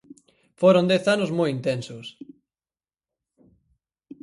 Foron dez anos moi intensos.